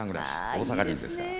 大阪人ですから。